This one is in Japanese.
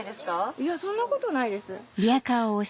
いやそんなことないです。